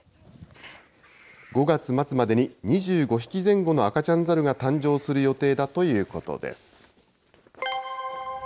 ５月末までに２５匹前後の赤ちゃんザルが誕生する予定だということです。